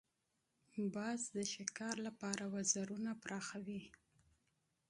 باز د ښکار لپاره وزرونه پراخوي